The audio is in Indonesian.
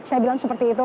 saya bilang seperti itu